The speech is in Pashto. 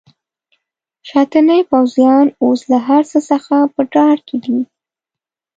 شاتني پوځیان اوس له هرڅه څخه په ډار کې دي.